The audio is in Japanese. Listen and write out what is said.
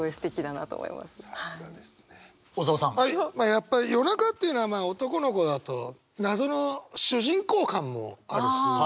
やっぱり夜中っていうのはまあ男の子だと謎の主人公感もあるし。